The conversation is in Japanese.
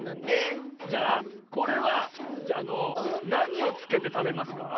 じゃあこれはなにをつけてたべますか？